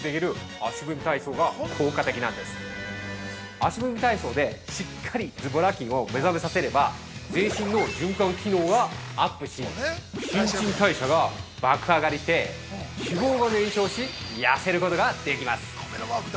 ◆足踏み体操で、しっかりズボラ筋を目覚めさせれば、全身の循環機能がアップし、新陳代謝が爆上がりして、脂肪が燃焼し、痩せることができます。